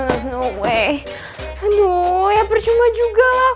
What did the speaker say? aduh ya percuma juga